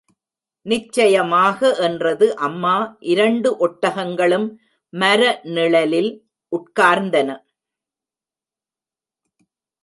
நிச்சயமாக என்றது அம்மா, இரண்டு ஒட்டகங்களும் மர நிழலில் உட்கார்ந்தன.